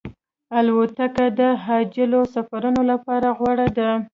الوتکه د عاجلو سفرونو لپاره غوره ده.